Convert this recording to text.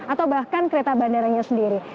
atau bahkan kereta bandaranya sendiri